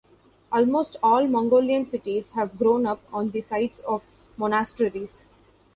Almost all Mongolian cities have grown up on the sites of monasteries.